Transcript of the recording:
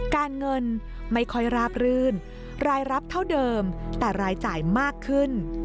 การเงินไม่ค่อยราบรื่นรายรับเท่าเดิมแต่รายจ่ายมากขึ้น